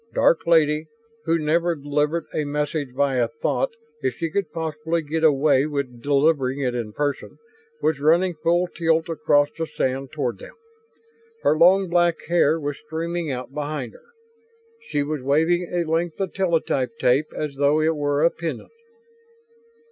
Dark Lady, who never delivered a message via thought if she could possibly get away with delivering it in person, was running full tilt across the sand toward them. Her long black hair was streaming out behind her; she was waving a length of teletype tape as though it were a pennon.